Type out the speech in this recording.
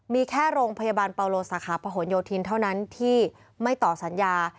มีแค่โรงพยาบาลเปาโลสาขาประหลโยธินเท่านั้นที่ไม่ต่อสัญญา